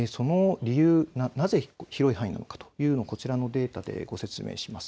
なぜ広い範囲なのかというのをこちらのデータでご説明します。